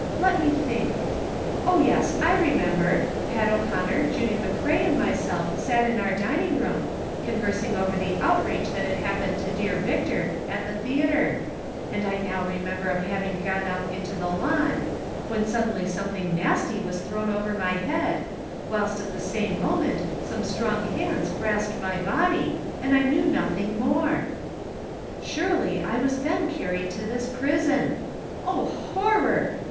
Let me think ; O, yes, I remember ; Pat O 'Conner, Judy McCrea and mj'self sat in our dining room, conversing over the outrage that had happened to dear Victor at the theatre ; and I now remember of having gone out into the lawn, wlien suddenly something nasty was thrown over my head, whilst at the same moment some strong hands grasped my body, and I knew nothing more. '' Surely, I was tlien carried to this prison. Oh, horror